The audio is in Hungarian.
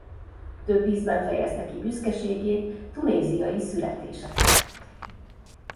Több ízben fejezte ki büszkeségét tunéziai születése felett.